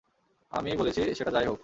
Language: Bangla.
আমি বলেছি, সেটা যাই হোক।